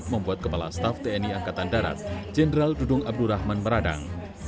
membuat kepala staff tni angkatan darat jenderal dudung abdurrahman meradang